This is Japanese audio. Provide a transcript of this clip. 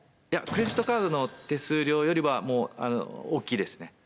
いやクレジットカードの手数料よりはもう大きいですね